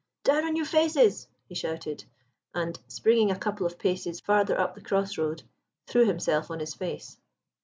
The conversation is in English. "Down on your faces!" he shouted, and, springing a couple of paces farther up the cross road, threw himself on his face.